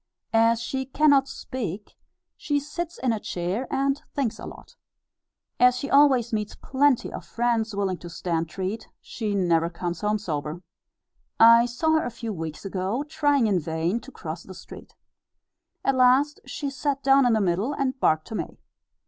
As she cannot speak, she sits in a chair and thinks a lot. As she always meets plenty of friends willing to stand treat, she never comes home sober. I saw her a few weeks ago, trying in vain to cross the street. At last she sat down in the middle, and barked to me.